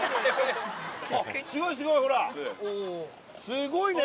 すごいね！